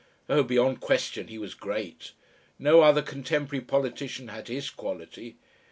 Oh, beyond question he was great! No other contemporary politician had his quality.